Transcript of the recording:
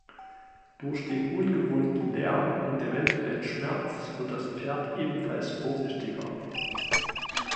Durch den ungewohnten Lärm und eventuellen Schmerz wird das Pferd ebenfalls vorsichtiger.